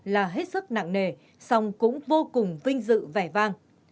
là hết sức nặng nề song cũng vô cùng vinh dự vẻ vang